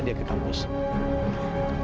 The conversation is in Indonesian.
dia ke kamar